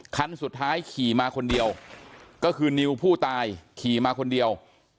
คันสุดท้ายขี่มาคนเดียวก็คือนิวผู้ตายขี่มาคนเดียว